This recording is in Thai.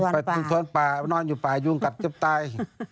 ไปสวนป่านอนอยู่ป่ายุ่งกับเจ็บตาย